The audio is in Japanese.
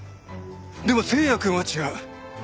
でも星也くんは違う。